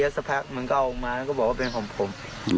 แล้วสักพัฒน์มันก็ออกมาแล้วก็บอกว่าเป็นของผม